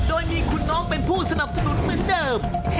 โดยมีคุณน้องเป็นผู้สนับสนุนเหมือนเดิม